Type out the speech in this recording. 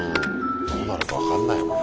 どうなるか分かんないもんね。